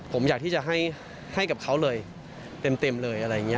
ผมอยากที่จะให้กับเขาเลยเต็มเลยอะไรอย่างนี้